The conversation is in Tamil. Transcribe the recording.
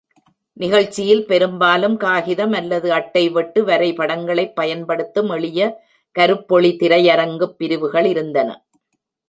நிகழ்ச்சியில் பெரும்பாலும் காகிதம் அல்லது அட்டை வெட்டு-வரைபடங்களைப் பயன்படுத்தும் எளிய கருப்பொளி திரையரங்குப் பிரிவுகள் இருந்தன.